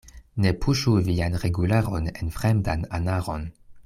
Ne puŝu vian regularon en fremdan anaron.